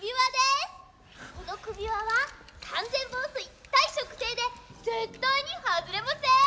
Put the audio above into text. この首輪は完全防水耐食性で絶対に外れません！